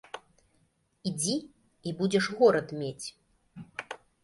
Ідзі, і будзеш горад мець.